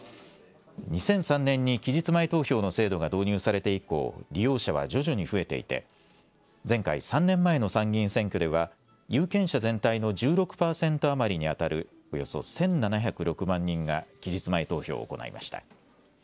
２００３年に期日前投票の制度が導入されて以降、利用者は徐々に増えていて、前回・３年前の参議院選挙では、有権者全体の１６％余りに当たるおよそ１７０６万人が期日前投票を行いました。